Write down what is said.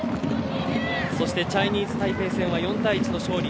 そしてチャイニーズタイペイ戦は４対１の勝利。